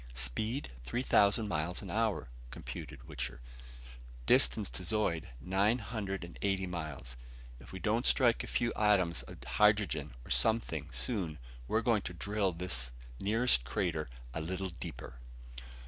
"Speed, three thousand miles an hour," computed Wichter. "Distance to Zeud, nine hundred and eighty miles. If we don't strike a few atoms of hydrogen or something soon we're going to drill this nearest crater a little deeper!"